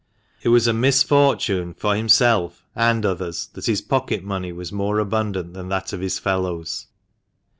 It was a misfortune for himself and others that his pocket money was more abundant than that of his fellows.